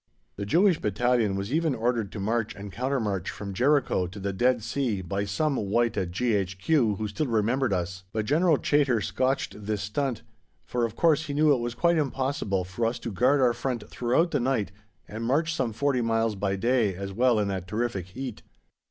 The Jewish Battalion was even ordered to march and counter march from Jericho to the Dead Sea by some wight at G.H.Q. who still remembered us, but General Chaytor scotched this stunt, for of course he knew it was quite impossible for us to guard our front throughout the night and march some forty miles by day as well in that terrific heat.